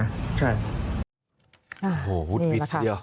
ใช่